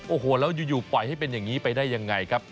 โอ้โหแล้วอยู่ปล่อยให้เป็นอย่างนี้ไปได้ยังไงครับ